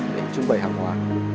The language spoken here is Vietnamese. để trưng bày hàng hóa